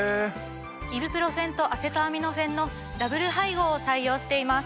イブプロフェンとアセトアミノフェンのダブル配合を採用しています。